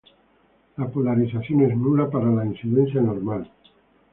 La polarización es nula para la incidencia normal".